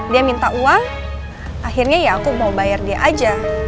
dia minta uang akhirnya ya aku mau bayar dia aja